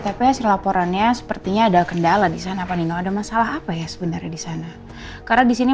coba dingin itu sebenernya udah abis bulan ini ini